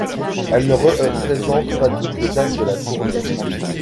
Elle ne représente pas toutes les dates de la tournée.